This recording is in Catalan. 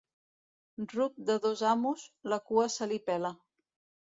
Ruc de dos amos, la cua se li pela.